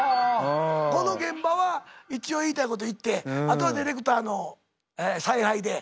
この現場は一応言いたいこと言ってあとはディレクターの采配で。